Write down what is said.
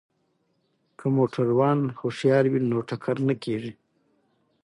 که موټروان هوښیار وي نو ټکر نه کیږي.